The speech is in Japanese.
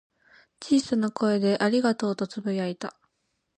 小さな声で「ありがとう」とつぶやいた。